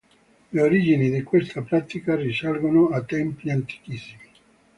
Le origini di questa pratica risalgono a tempi antichissimi.